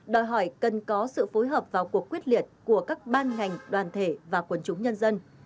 đòi hỏi cần có sự phối hợp vào cuộc quyết liệt của các ban ngành đoàn thể và quần chúng nhân dân